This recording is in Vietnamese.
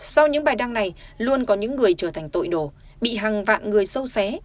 sau những bài đăng này luôn có những người trở thành tội đồ bị hàng vạn người sâu xé